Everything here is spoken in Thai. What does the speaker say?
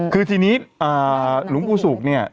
คือทีนี้หลวงปู่ศุกร์เนี่ย